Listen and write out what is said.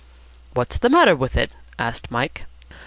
"What's the matter with it?" asked Mike.